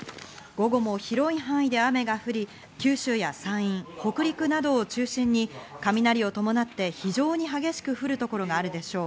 午後も広い範囲で雨が降り、九州や山陰、北陸などを中心に雷を伴って非常に激しく降る所があるでしょう。